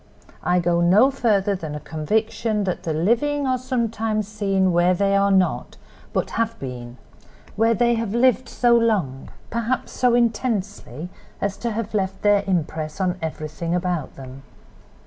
I go no further than a conviction that the living are sometimes seen where they are not, but have been—where they have lived so long, perhaps so intensely, as to have left their impress on everything about them.